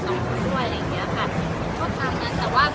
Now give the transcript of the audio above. ช่องความหล่อของพี่ต้องการอันนี้นะครับ